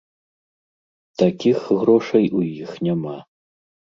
Такіх грошай у іх няма.